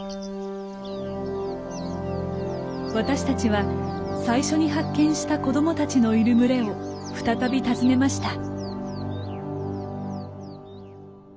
私たちは最初に発見した子供たちのいる群れを再び訪ねました。